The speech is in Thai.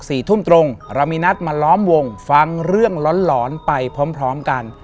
สี่ทุ่มตรงเรามีนัดมาล้อมวงฟังเรื่องร้อนหลอนไปพร้อมพร้อมกัน